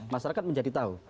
masyarakat menjadi tahu